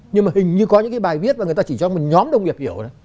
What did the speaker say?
nhưng mà hình như có những cái bài viết mà người ta chỉ cho một nhóm đồng nghiệp hiểu